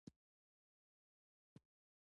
منی د افغانستان د اقلیم ځانګړتیا ده.